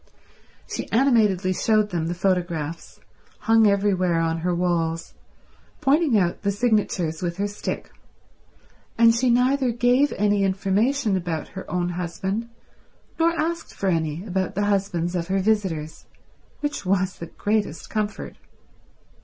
She animatedly showed them the photographs, hung everywhere on her walls, pointing out the signatures with her stick, and she neither gave any information about her own husband nor asked for any about the husbands of her visitors; which was the greatest comfort.